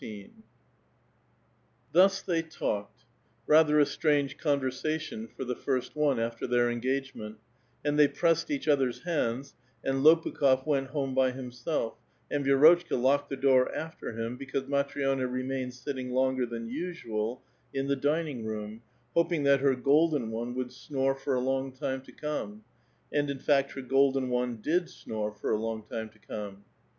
Thus they talked, — rather a strange conversation for the first one after their engagement, — and they pressed each other's hands, and Lopukh6f went home by himself, and Vi^ rotchka locked the door after him, because Mati'i6na re mained sitting longer than usual in the dining room, hoping that her "• golden one" would snore for a long time to come ; and, in fact, her golden one did snore for a long time to come.